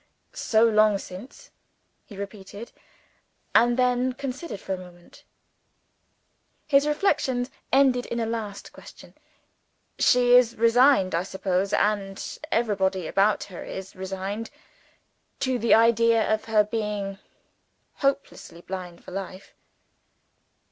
"So long since," he repeated and then considered for a moment. His reflections ended in a last question. "She is resigned, I suppose and everybody about her is resigned to the idea of her being hopelessly blind for life."